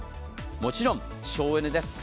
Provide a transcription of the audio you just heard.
もちろん省エネです。